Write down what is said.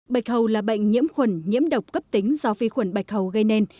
bạch hầu là bệnh nhiễm khuẩn nhiễm độc cấp tính do vi khuẩn bạch hầu gây nên